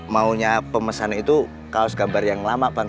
maunya pemesan itu kaos gambar yang lama bang